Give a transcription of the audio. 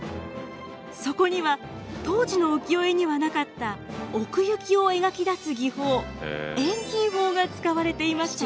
そこには当時の浮世絵にはなかった奥行きを描き出す技法遠近法が使われていました。